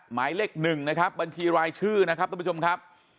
หมายเลข๑นะครับบัญชีรายชื่อนะครับทุกผู้ชมครับ